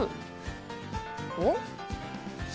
おっ？